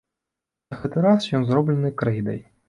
На гэты раз ён зроблены крэйдай.